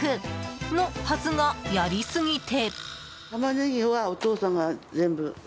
のはずが、やり過ぎて。